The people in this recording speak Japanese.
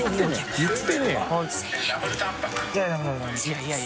いやいや。